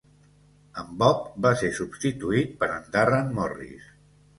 En Bob va ser substituït per en Darren Morris.